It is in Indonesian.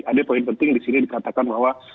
ada poin penting di sini dikatakan bahwa